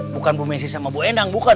bukan bu mensi sama bu hendang bukan